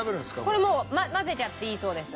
これもう混ぜちゃっていいそうです。